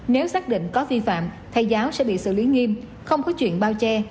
nếu xác định có vi phạm thầy giáo sẽ bị xử lý nghiêm không có chuyện bao che